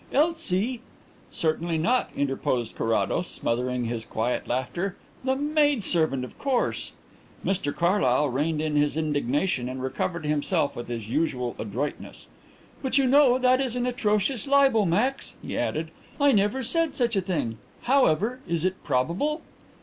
Elsie " "Certainly not," interposed Carrados, smothering his quiet laughter. "The maid servant, of course." Mr Carlyle reined in his indignation and recovered himself with his usual adroitness. "But, you know, that is an atrocious libel, Max," he added. "I never said such a thing. However, is it probable?"